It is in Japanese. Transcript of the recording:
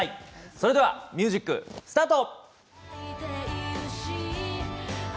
それがミュージックスタート！